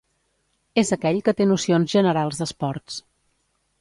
És aquell que té nocions generals d'esports.